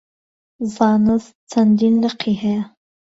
زانست چەندین لقی هەیە.